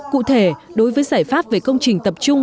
cụ thể đối với giải pháp về công trình tập trung